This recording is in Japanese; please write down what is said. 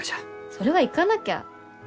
それは行かなきゃ。